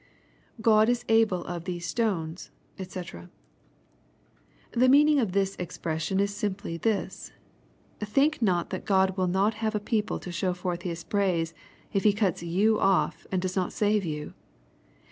*" [GM ia able of these stones^ dw.] The meaning of this express sion is simply this: "Think not that Qtod will not have a people to show forth His praise, if He cuts you off and does not save you.